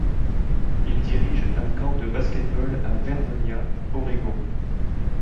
Il dirige un camp de basket-ball à Vernonia, Oregon.